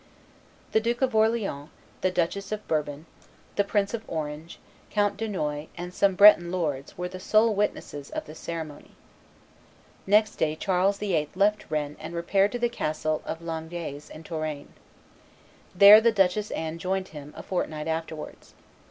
The Duke of Orleans, the Duchess of Bourbon, the Prince of Orange, Count Dunois, and some Breton lords, were the sole witnesses of the ceremony. Next day Charles VIII. left Rennes and repaired to the castle of Langeais in Touraine. There the Duchess Anne joined him a fortnight afterwards.